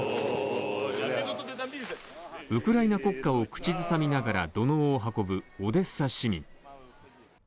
ウクライナ国歌を口ずさみながら土のうを運ぶ、オデッサ市民。